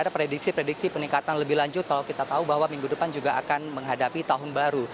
ada prediksi prediksi peningkatan lebih lanjut kalau kita tahu bahwa minggu depan juga akan menghadapi tahun baru